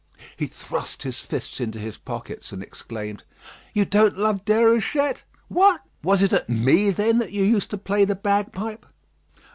He thrust his fists into his pockets, and exclaimed: "You don't love Déruchette? What! was it at me, then, that you used to play the bagpipe?"